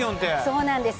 そうなんです。